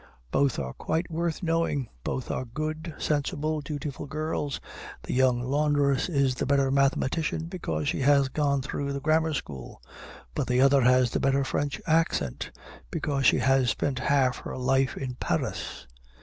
Both are quite worth knowing; both are good, sensible, dutiful girls: the young laundress is the better mathematician, because she has gone through the grammar school; but the other has the better French accent, because she has spent half her life in Paris.